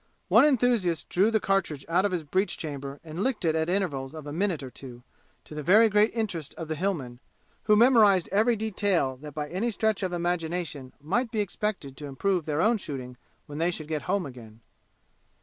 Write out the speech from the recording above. One enthusiast drew the cartridge out of his breech chamber and licked it at intervals of a minute or two, to the very great interest of the Hillmen, who memorized every detail that by any stretch of imagination might be expected to improve their own shooting when they should get home again.